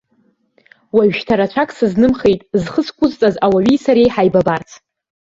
Уажәшьҭа рацәак сызнымхеит схы зқәысҵаз ауаҩи сареи ҳаибабарц.